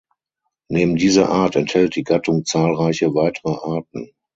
Neben dieser Art enthält die Gattung zahlreiche weitere Arten.